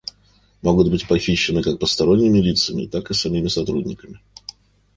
Могут быть похищены как посторонними лицами, так и самими сотрудниками